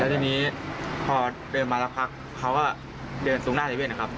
แล้วทีนี้พอเดินมาละพักเค้าก็เดินสุดหน้าเตะเว่นนะครับ